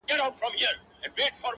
سترگي دي ژوند نه اخلي مرگ اخلي اوس،